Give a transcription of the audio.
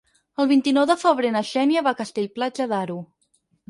El vint-i-nou de febrer na Xènia va a Castell-Platja d'Aro.